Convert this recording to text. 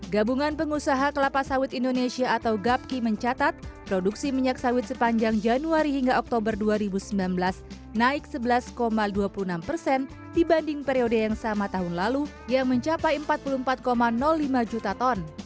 gabungan pengusaha kelapa sawit indonesia atau gapki mencatat produksi minyak sawit sepanjang januari hingga oktober dua ribu sembilan belas naik sebelas dua puluh enam persen dibanding periode yang sama tahun lalu yang mencapai empat puluh empat lima juta ton